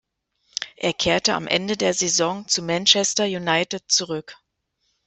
Er kehrte am Ende der Saison zu Manchester United zurück.